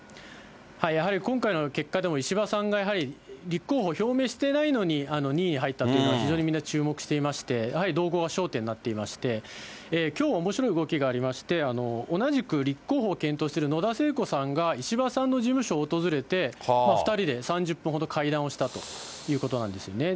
やはり今回の結果でも、石破さんがやはり、立候補を表明していないのに、２位に入ったというのは、非常にみんな注目していまして、やはり動向が焦点になっていまして、きょうおもしろい動きがありまして、同じく立候補を検討している野田聖子さんが、石破さんの事務所を訪れて、２人で３０分ほど会談をしたということなんですよね。